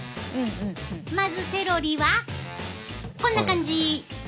まずセロリはこんな感じ。